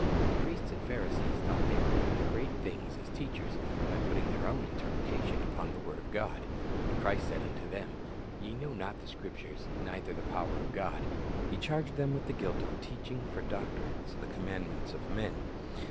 The priests and Pharisees thought they were doing great things as teachers, by putting their own interpretation upon the word of God; but Christ said of them, "Ye know not the Scriptures, neither the power of God."^ He charged them with the guilt of "teaching for doctrines the com mandments of men."